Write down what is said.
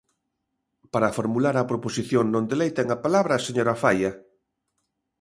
Para formular a proposición non de lei ten a palabra a señora Faia.